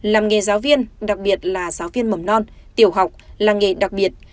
làm nghề giáo viên đặc biệt là giáo viên mầm non tiểu học làng nghề đặc biệt